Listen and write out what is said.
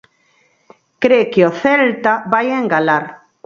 Cre que o Celta vai engalar.